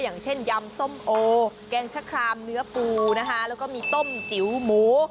อย่างเช่นยำส้มโอแกงชะครามเนื้อปูนะคะแล้วก็มีต้มจิ๋วหมู